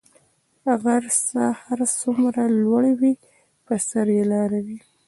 غر څه هر څومره لوړ وی په سر ئي لاره وی